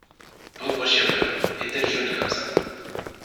Pauvre chérubin !… est-elle jolie comme ça !…